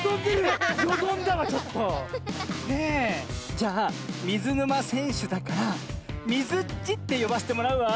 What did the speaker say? じゃあみずぬませんしゅだからみずっちってよばせてもらうわ。